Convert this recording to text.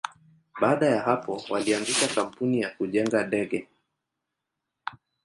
Baada ya hapo, walianzisha kampuni ya kujenga ndege.